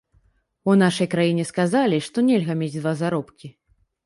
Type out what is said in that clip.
У нашай краіне сказалі, што нельга мець два заробкі.